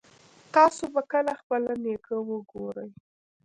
تاسو به کله خپل نیکه وګورئ